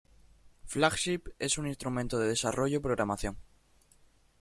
FlagShip es un instrumento de desarrollo y programación.